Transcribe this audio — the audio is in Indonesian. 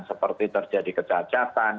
seperti terjadi kecacatan